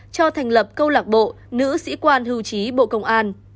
cho thành lập câu lạc bộ nữ sĩ quan hưu trí bộ công an